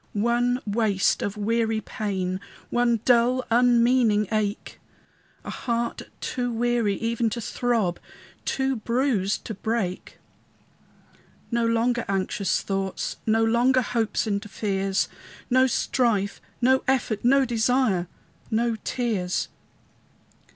One waste of weary pain, One dull, unmeaning ache, A heart too weary even to throb, Too bruised to break. No longer anxious thoughts, No longer hopes and fears, No strife, no effort, no desire, No tears.